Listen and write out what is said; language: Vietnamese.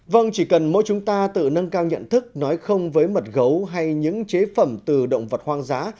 vâng chỉ cần mỗi chúng ta tự nâng cao nhận thức nói không với mật gấu hay những chế phẩm từ động vật hoang dã